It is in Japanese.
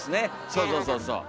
そうそうそうそう。